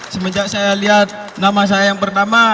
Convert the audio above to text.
semenjak saya lihat nama saya yang pertama